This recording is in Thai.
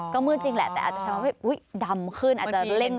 ก็มืดจริงแหละแต่อาจจะทำให้อุ๊ยดำขึ้นอาจจะเร่ง